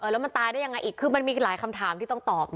แล้วมันตายได้ยังไงอีกคือมันมีหลายคำถามที่ต้องตอบ